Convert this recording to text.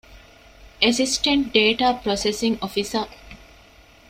އެސިސްޓެންޓް ޑޭޓާ ޕްރޮސެސިންގ އޮފިސަރ